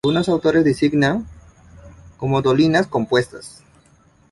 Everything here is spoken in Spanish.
Algunos autores las designan como dolinas compuestas.